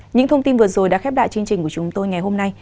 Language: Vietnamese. những thông tin vừa rồi đã khép lại chương trình của chúng tôi ngày hôm nay